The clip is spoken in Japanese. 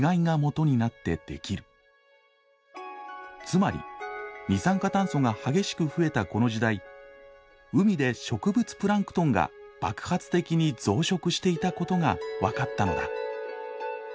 つまり二酸化炭素が激しく増えたこの時代海で植物プランクトンが爆発的に増殖していたことが分かったのだ。